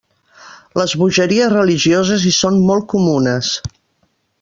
Les bogeries religioses hi són molt comunes.